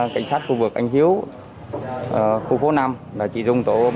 cảnh sát khu vực anh hiếu khu phố năm chị dung tổ bốn